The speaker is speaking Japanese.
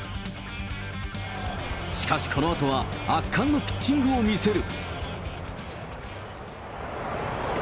しかしこのあとは、圧巻のピッチングを見せる。